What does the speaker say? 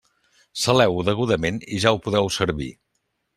Saleu-ho degudament i ja ho podeu servir.